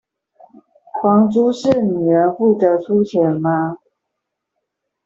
房租是女人負責出錢嗎？